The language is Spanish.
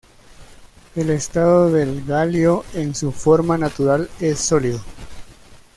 El estado del galio en su forma natural es sólido.